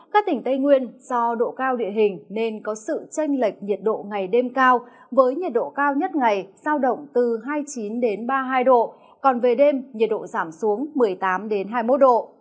các tỉnh tây nguyên do độ cao địa hình nên có sự tranh lệch nhiệt độ ngày đêm cao với nhiệt độ cao nhất ngày sao động từ hai mươi chín ba mươi hai độ còn về đêm nhiệt độ giảm xuống một mươi tám hai mươi một độ